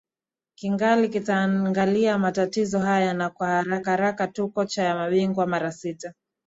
kingali kitaangalia matatizo haya na kwa haraka haraka tu kocha wa mabingwa mara sita